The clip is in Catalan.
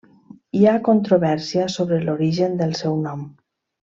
Hi ha controvèrsia sobre l'origen del seu nom.